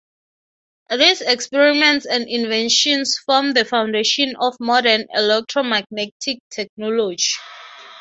These experiments and inventions formed the foundation of modern electromagnetic technology.